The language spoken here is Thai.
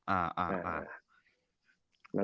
อ๋ออ่ะอ่ะอ่ะ